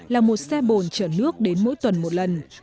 là một xe bồn chở nước đến mỗi tuần một lần